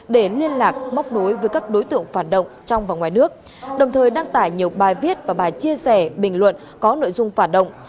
để liên lạc móc nối với các đối tượng phản động trong và ngoài nước đồng thời đăng tải nhiều bài viết và bài chia sẻ bình luận có nội dung phản động